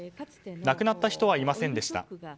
亡くなった人はいませんでした。